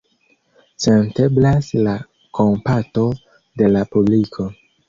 Senteblas la kompato de la publiko.